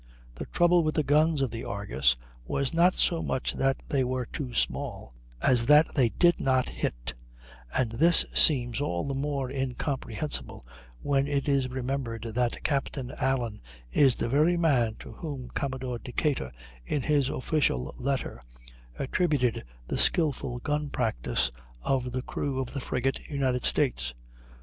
The trouble with the guns of the Argus was not so much that they were too small, as that they did not hit; and this seems all the more incomprehensible when it is remembered that Captain Allen is the very man to whom Commodore Decatur, in his official letter, attributed the skilful gun practice of the crew of the frigate United States.